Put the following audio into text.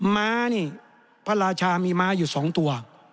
ม้านี่พระราชามีม้าอยู่๒ตัว